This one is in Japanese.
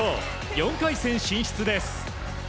４回戦進出です。